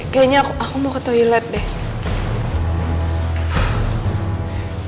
kayaknya aku mau ke toilet deh